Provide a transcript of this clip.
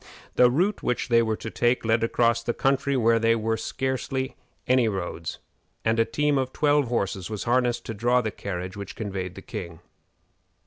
The route which they were to take led across the country where there were scarcely any roads, and a team of twelve horses was harnessed to draw the carriage which conveyed the king.